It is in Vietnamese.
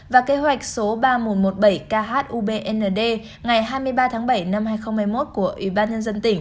và kế hoạch số ba nghìn một trăm một mươi bảy khubnd ngày hai mươi ba tháng bảy năm hai nghìn hai mươi một của ủy ban nhân dân tỉnh